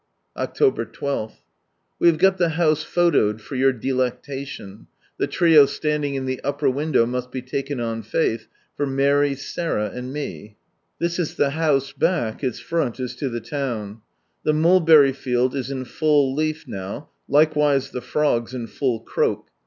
Octobfr II, — We have got the house pholoed for your delectation, the trio standing in the upper window must be taken on faiih for Mary, Sarah, and me. This is the house back; its front is to the town. The mulberry field is in full leaf now, likewise the frogs in full croak.